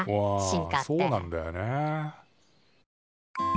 うんそうなんだよね。